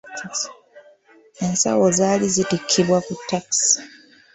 Ensawo zaali zitikkibwa ku takisi.